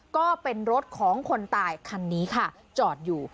ก็เป็นรถของคนตายคันนี้ค่ะจอดอยู่